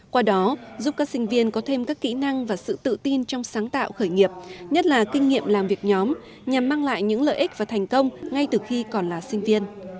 qua đó giúp các sinh viên có thêm các kỹ năng và sự tự tin trong sáng tạo khởi nghiệp nhất là kinh nghiệm làm việc nhóm nhằm mang lại những lợi ích và thành công ngay từ khi còn là sinh viên